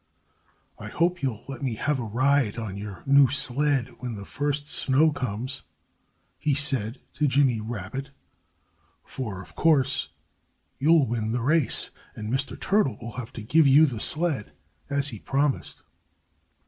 "I hope you'll let me have a ride on your new sled when the first snow comes," he said to Jimmy Rabbit. "For, of course, you'll win the race. And Mr. Turtle will have to give you the sled, as he promised."